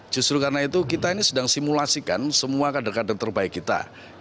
justru karena itu kita ini sedang simulasikan semua kader kader terbaik kita